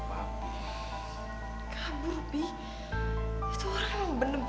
tante gak pernah ya